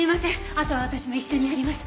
あとは私も一緒にやります。